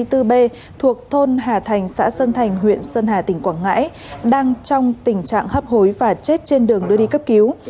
thuộc thôn hà thành xã sơn thành huyện sơn hà tỉnh quảng ngãi đang trong tình trạng hấp hối và chết trên đường đưa đi cấp cứu